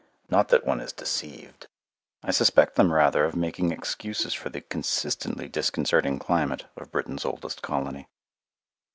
Not that one is deceived. I suspect them rather of making excuses for the consistently disconcerting climate of Britain's oldest colony.